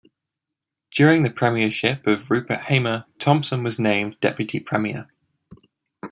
During the premiership of Rupert Hamer, Thompson was named Deputy Premier.